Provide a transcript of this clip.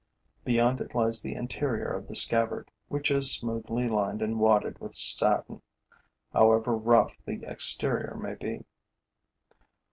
Beyond it lies the interior of the scabbard, which is smoothly lined and wadded with satin, however rough the exterior may be.